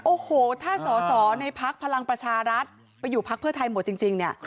โอ้โหถ้าสอสอในพักพลังประชารัฐไปอยู่พักเพื่อไทยหมดจริงเนี่ย